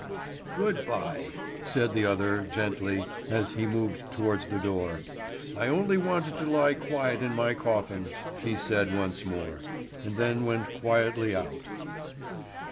"Good bye!" said the other gently as he moved towards the door. "I only wanted to lie quiet in my coffin," he said once more, and then went quietly out.